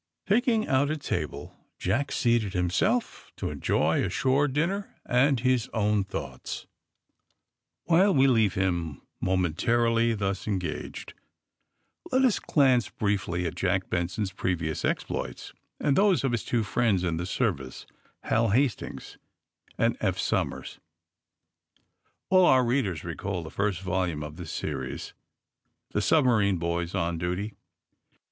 Picking out a table, 'Jack seated himself, to enjoy a shore dinner and his own thoughts. AND THE SMUGGLEKS 45 While we leave him, momentarily thus en gaged, let US glance briefly at Jack Benson's previous exploits, and those of his two friends in the Service, Hal Hastings and Eph Somers. All our readers recall the first volume of this series, ^^The Submakine Boys on Duty."